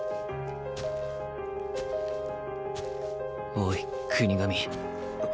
おい國神。